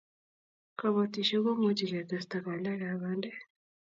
kabotishe komuchi ketesta koleekab bandek